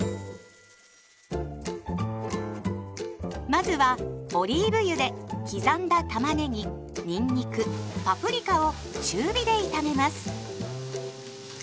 まずはオリーブ油で刻んだたまねぎにんにくパプリカを中火で炒めます。